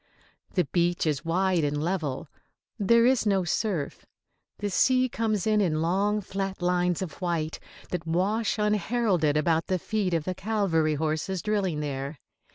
The beach is wide and level. There is no surf. The sea comes in in long, flat lines of white that wash unheralded about the feet of the cavalry horses drilling there.